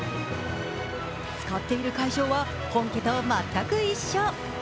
使っている会場は本家と全く一緒。